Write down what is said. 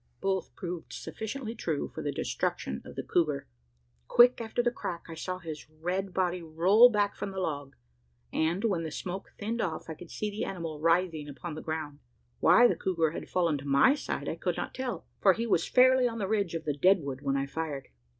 Both proved sufficiently true for the destruction of the couguar. Quick after the crack, I saw his red body roll back from the log; and, when the smoke thinned off, I could see the animal writhing upon the ground. Why the couguar had fallen to my side, I could not tell: for he was fairly on the ridge of the dead wood when I fired.